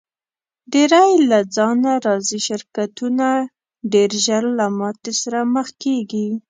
ډېری له ځانه راضي شرکتونه ډېر ژر له ماتې سره مخ کیږي.